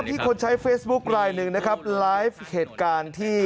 ผู้เสียชีวิตคือนางสุนันนะครับ